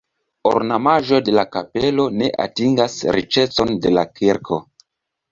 Ornamaĵoj de la kapelo ne atingas riĉecon de la kirko.